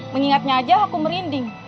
mengingatnya aja aku merinding